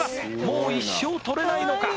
もう一生取れないのか？